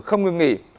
không ngưng nghỉ